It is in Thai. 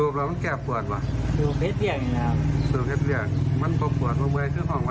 เพราะมันคือของวัยยาพาราครับ